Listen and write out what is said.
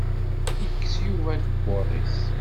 Yekkes Yuba akebbuḍ-is.